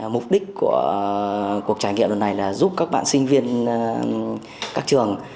mục đích của cuộc trải nghiệm lần này là giúp các bạn sinh viên các trường